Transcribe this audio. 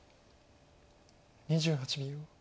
２８秒。